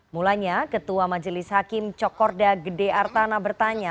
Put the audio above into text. mulanya ketua majelis hakim cokorda gede artana bertanya